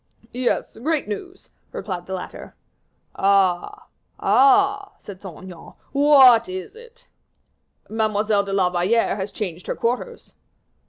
"Yes; great news," replied the latter. "Ah! ah!" said Saint Aignan, "what is it?" "Mademoiselle de la Valliere has changed her quarters."